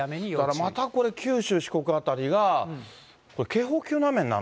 それからまたこれ、九州、四国辺りが、警報級の雨になる？